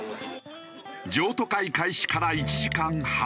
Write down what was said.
譲渡会開始から１時間半。